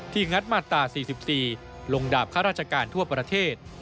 งัดมาตรา๔๔ลงดาบข้าราชการทั่วประเทศ